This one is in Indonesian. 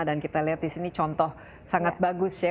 dan kita lihat disini contoh sangat bagus ya